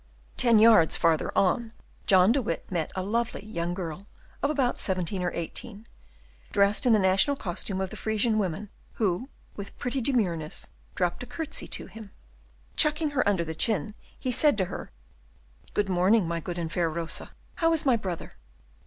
Ten yards farther on, John de Witt met a lovely young girl, of about seventeen or eighteen, dressed in the national costume of the Frisian women, who, with pretty demureness, dropped a curtesy to him. Chucking her under the chin, he said to her, "Good morning, my good and fair Rosa; how is my brother?"